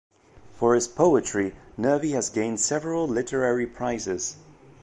For his poetry Nervi has gained several literary prizes.